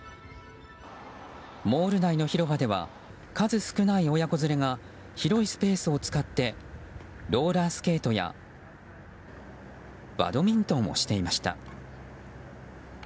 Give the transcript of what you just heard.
モール内の広場では数少ない親子連れが広いスペースを使ってローラースケートやバドミントンをしていました。